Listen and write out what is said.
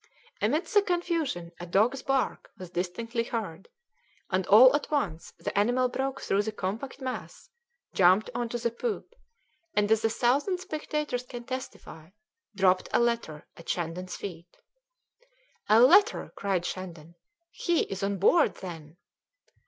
Amidst the confusion a dog's bark was distinctly heard, and all at once the animal broke through the compact mass, jumped on to the poop, and, as a thousand spectators can testify, dropped a letter at Shandon's feet. "A letter!" cried Shandon. "He is on board, then?"